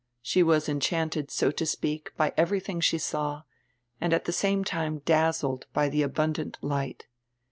She was enchanted, so to speak, by everything she saw, and at the same time dazzled by the abundant light.